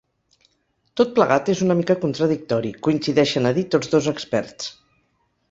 Tot plegat és una mica contradictori, coincideixen a dir tots dos experts.